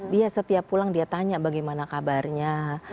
dia setiap pulang dia tanya bagaimana kabarnya